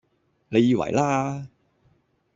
你以為啦！